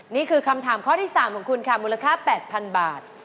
นี่คือคำถามข้อที่๓ของคุณค่ะมูลค่า๘๐๐๐บาท